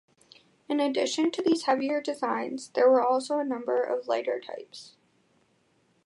In addition to these heavier designs, there were also a number of lighter types.